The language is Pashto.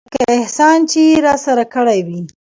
لکه احسان چې يې راسره کړى وي.